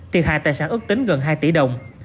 thiệt hại tài sản ước tính gần hai tỷ đồng